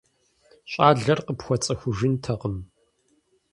Щӏалэр къыпхуэцӀыхужынтэкъым.